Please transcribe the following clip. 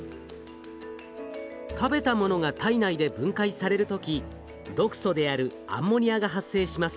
食べたものが体内で分解される時毒素であるアンモニアが発生します。